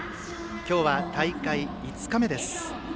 今日は大会５日目です。